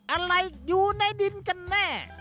อะไรอยู่ในดินกันแน่